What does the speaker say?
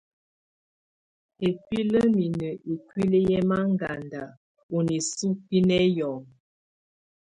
Ibílə́ninə̌ ikuili yɛ manŋgada ɔ nisuki nɛ hiɔnŋɔ t.